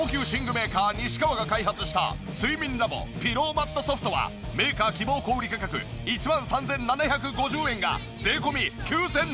メーカー西川が開発した睡眠ＬａｂｏピローマットＳｏｆｔはメーカー希望小売価格１万３７５０円が税込９８００円。